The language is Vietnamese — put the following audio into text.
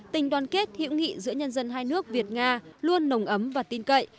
tình đoàn kết hữu nghị giữa nhân dân hai nước việt nga luôn nồng ấm và tin cậy